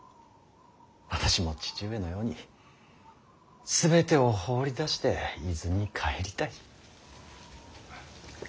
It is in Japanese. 私も父上のように全てを放り出して伊豆に帰りたい。